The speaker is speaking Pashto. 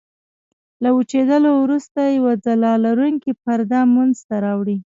له وچېدلو وروسته یوه ځلا لرونکې پرده منځته راوړي.